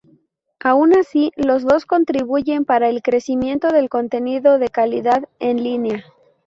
Aun así, los dos contribuyen para el crecimiento del contenido de calidad en línea.